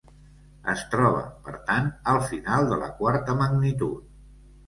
Es troba, per tant, al final de la quarta magnitud.